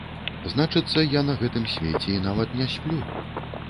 Значыцца, я на гэтым свеце і нават не сплю.